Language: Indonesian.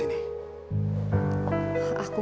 ini rezeki ganteng